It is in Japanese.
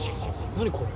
何これ。